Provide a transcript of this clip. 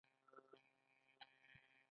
د مومن خان پوښتنه یې وکړه.